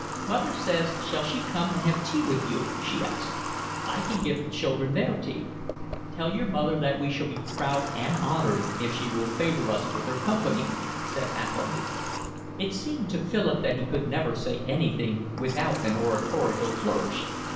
"Mother says, shall she come and have tea with you?" she asked. "I can give the children their tea." "Tell your mother that we shall be proud and honoured if she will favour us with her company," said Athelny. It seemed to Philip that he could never say anything without an oratorical flourish.